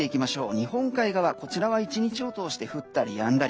日本海側、こちらは１日を通して降ったりやんだり。